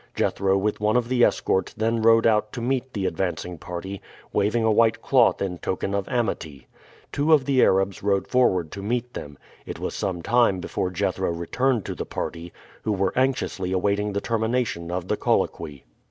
Jethro with one of the escort then rode out to meet the advancing party, waving a white cloth in token of amity. Two of the Arabs rode forward to meet them. It was some time before Jethro returned to the party, who were anxiously awaiting the termination of the colloquy.